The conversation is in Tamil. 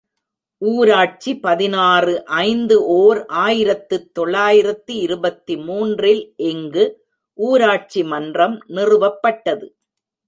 ஊராட்சி பதினாறு ஐந்து ஓர் ஆயிரத்து தொள்ளாயிரத்து இருபத்து மூன்று இல் இங்கு ஊராட்சி மன்றம் நிறுவப்பட்டது.